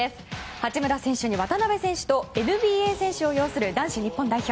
八村選手に渡邊選手とＮＢＡ選手を擁する男子日本代表。